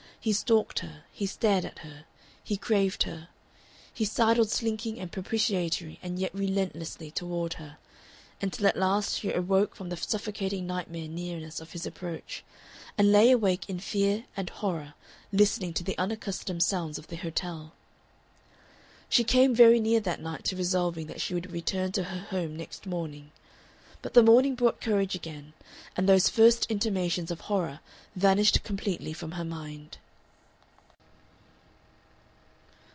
He stalked her, he stared at her, he craved her, he sidled slinking and propitiatory and yet relentlessly toward her, until at last she awoke from the suffocating nightmare nearness of his approach, and lay awake in fear and horror listening to the unaccustomed sounds of the hotel. She came very near that night to resolving that she would return to her home next morning. But the morning brought courage again, and those first intimations of horror vanished completely from her mind.